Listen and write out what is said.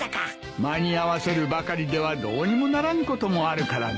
間に合わせるばかりではどうにもならんこともあるからな。